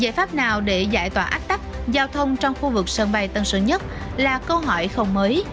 giải pháp nào để giải tỏa ách tắc giao thông trong khu vực sân bay tân sơn nhất là câu hỏi không mới